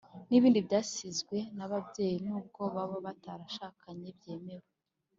n'ibindi byasizwe n'ababyeyi nubwo baba batarashakanye byemewe